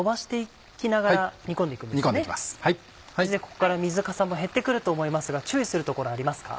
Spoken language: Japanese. ここから水かさも減って来ると思いますが注意するところありますか？